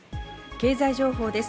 経済情報です。